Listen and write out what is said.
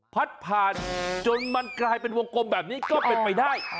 พัดผ่านจนมันกลายเป็นวงกลมแบบนี้ก็เป็นไปได้